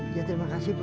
ya terima kasih bu